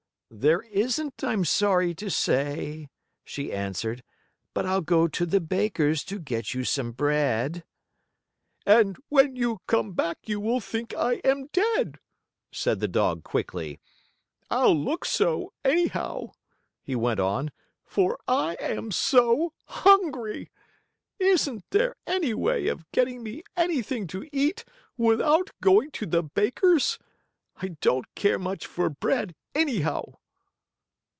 "There isn't, I'm sorry to say," she answered. "But I'll go to the baker's to get you some bread " "And when you come back you will think I am dead," said the dog, quickly. "I'll look so, anyhow," he went on, "for I am so hungry. Isn't there any way of getting me anything to eat without going to the baker's? I don't care much for bread, anyhow."